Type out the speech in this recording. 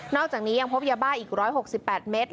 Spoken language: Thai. อกจากนี้ยังพบยาบ้าอีก๑๖๘เมตร